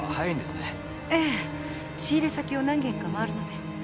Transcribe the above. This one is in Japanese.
ええ仕入れ先を何軒か回るので。